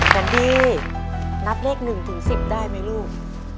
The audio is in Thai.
แคนดี้นับเลข๑๑๐ได้ไหมลูก